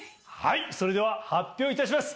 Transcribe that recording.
それでは発表いたします！